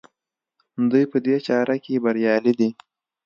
دوی په دې چاره کې بریالي دي.